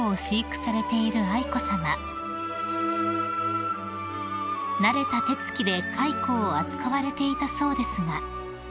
［慣れた手付きで蚕を扱われていたそうですが］